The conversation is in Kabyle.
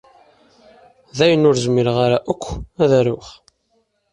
Dayen ur zmireƔ ara ukk ad aruƔ.